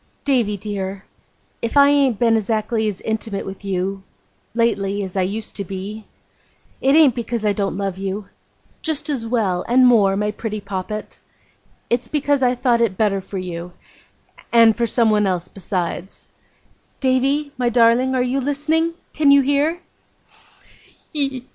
'Davy, dear. If I ain't been azackly as intimate with you. Lately, as I used to be. It ain't because I don't love you. Just as well and more, my pretty poppet. It's because I thought it better for you. And for someone else besides. Davy, my darling, are you listening? Can you hear?